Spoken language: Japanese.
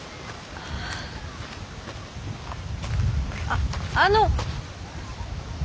あっあの！